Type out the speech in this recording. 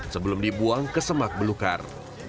sebelum dibuang ke semak belukar